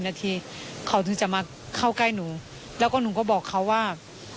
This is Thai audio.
ส่วนรถที่นายสอนชัยขับอยู่ระหว่างการรอให้ตำรวจสอบ